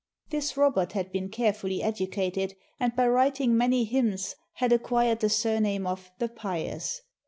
This Robert had been carefully educated, and by writing many hymns had acquired the surname of "The Pious."